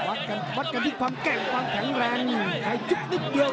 วัดกันที่ความแกร่งความแข็งแรงใครยุบนิดเดียว